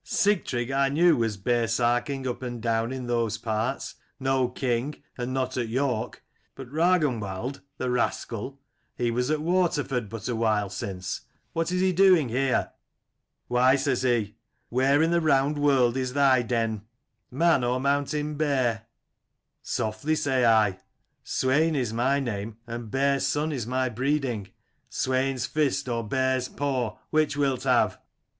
say I; ' Sigtrygg I knew was bearsarking up and down in those parts, no king, and not at York: but Ragnwald, the rascal, he was at Waterford but a while since : what is he doing here ?' 24 "'Why,' says he, 'where in the round world is thy den, man or mountain bear?" "'Softly,' say I : 'Swain is my name and Bear's son is my breeding. Swain's fist or bear's paw, which wilt have